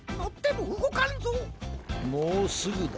もうすぐだ。